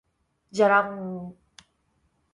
じゃらんーーーーー